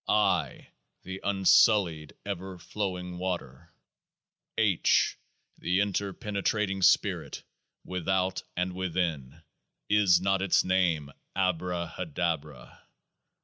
I. the unsullied ever flowing water. H. the interpenetrating Spirit, without and within. Is not its name ABRAHADABRA?